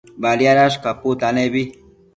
Badiadash caputanebi